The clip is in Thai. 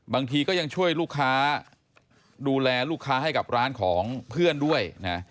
บางทีก็ยังช่วยลูกค้าดูแลลูกค้าให้กับร้านของเพื่อนด้วยนะ